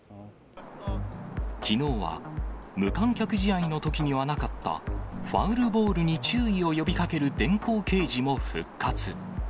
きのうは無観客試合のときにはなかったファウルボールに注意を呼びかける電光掲示も復活。